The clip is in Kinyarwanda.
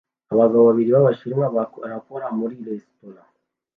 Abagabo babiri b'Abashinwa bakora muri resitora